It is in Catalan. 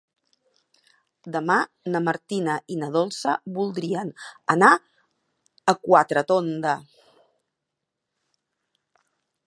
Demà na Martina i na Dolça voldrien anar a Quatretonda.